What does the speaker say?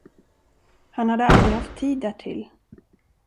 Han hade aldrig haft tid därtill.